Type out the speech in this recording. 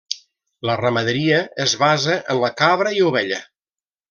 La ramaderia es basa en la cabra i ovella.